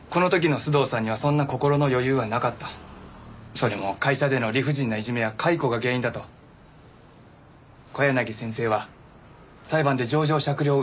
それも会社での理不尽ないじめや解雇が原因だと小柳先生は裁判で情状酌量を訴えました。